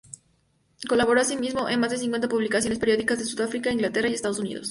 Colaboró asimismo en más de cincuenta publicaciones periódicas de Sudáfrica, Inglaterra y Estados Unidos.